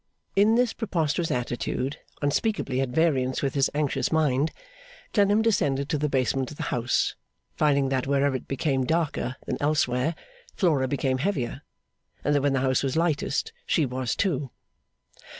In this preposterous attitude, unspeakably at variance with his anxious mind, Clennam descended to the basement of the house; finding that wherever it became darker than elsewhere, Flora became heavier, and that when the house was lightest she was too.